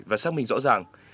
và xác minh rõ ràng